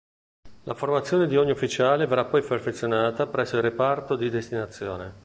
La formazione di ogni ufficiale verrà poi perfezionata presso il Reparto di destinazione.